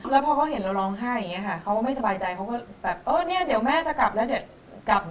แล้วพอเขาเห็นเราร้องไห้อย่างนี้ค่ะเขาก็ไม่สบายใจเขาก็แบบเออเนี่ยเดี๋ยวแม่จะกลับแล้วเดี๋ยวกลับ